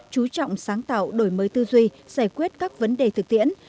chú trọng sáng tạo đổi mới tư duy giải quyết các vấn đề thực tiễn